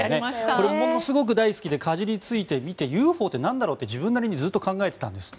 これ、ものすごく大好きでかじりついて見てＵＦＯって何だろうって自分なりにずっと考えていたんです。